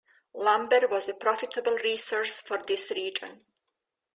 Lumber was a profitable resource for this region.